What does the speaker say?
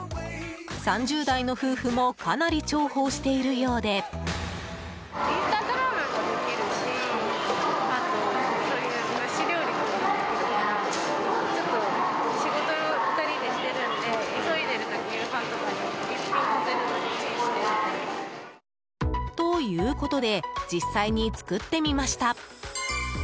３０代の夫婦もかなり重宝しているようで。ということで実際に作ってみました。